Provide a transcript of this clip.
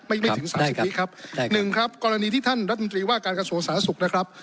ยังไม่ไม่ถึงสามสิบนี้ครับหนึ่งครับกรณีที่ท่านรัฐมนตรีว่าการกระทรวงสาธารณสุขนะครับ